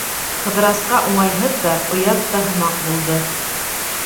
Ҡыҙырасҡа уңайһыҙ ҙа, оят та һымаҡ булды.